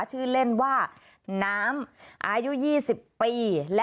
ชื่อเล่นว่าน้ำ